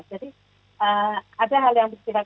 jadi ada hal yang bersifat